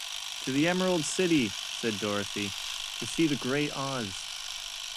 "To the Emerald City," said Dorothy, "to see the Great Oz."